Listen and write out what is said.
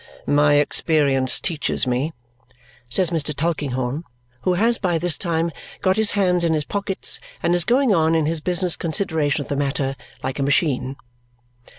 "My experience teaches me," says Mr. Tulkinghorn, who has by this time got his hands in his pockets and is going on in his business consideration of the matter like a machine.